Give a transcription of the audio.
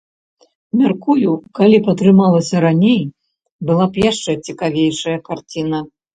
Мяркую, калі б атрымалася раней, была б яшчэ цікавейшая карціна.